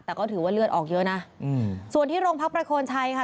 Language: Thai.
แต่ก็ถือว่าเลือดออกเยอะนะอืมส่วนที่โรงพักประโคนชัยค่ะ